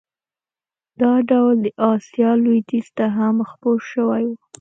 دا ډول د اسیا لوېدیځ ته هم خپور شوی و.